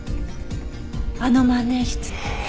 あの万年筆。